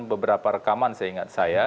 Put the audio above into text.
beberapa rekaman saya ingat saya